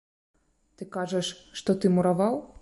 Ты кажаш, што ты мураваў?